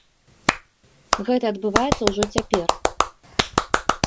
Гэта адбываецца ўжо цяпер.